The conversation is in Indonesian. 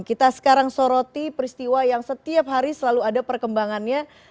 kita sekarang soroti peristiwa yang setiap hari selalu ada perkembangannya